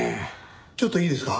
ちょっといいですか？